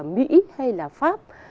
mỹ hay là pháp